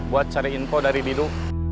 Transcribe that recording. buat cari info dari bidu